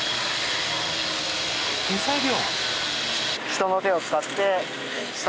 手作業！